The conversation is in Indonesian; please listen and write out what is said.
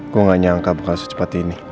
gue gak nyangka bakal secepat ini